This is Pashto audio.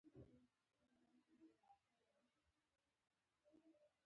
خوشالي خپره کړه.